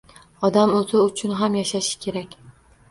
"Odam o‘zi uchun ham yashashi kerak"